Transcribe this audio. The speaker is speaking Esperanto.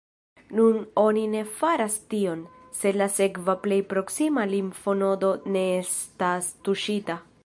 Nun oni ne faras tion, se la sekva plej proksima limfonodo ne estas tuŝita.